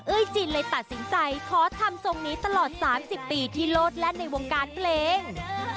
จีนเลยตัดสินใจขอทำทรงนี้ตลอด๓๐ปีที่โลดแล่นในวงการเพลง